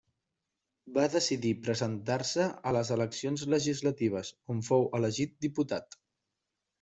Va decidir presentar-se a les eleccions legislatives, on fou elegit diputat.